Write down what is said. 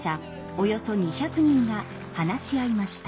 およそ２００人が話し合いました。